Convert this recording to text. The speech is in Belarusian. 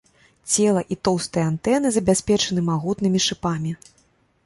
Цела і тоўстыя антэны забяспечаны магутнымі шыпамі.